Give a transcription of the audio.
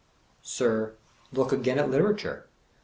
305 Sir, look again at Literature.